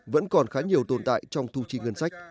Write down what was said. vẫn còn khá nhiều tồn tại trong thu chi ngân sách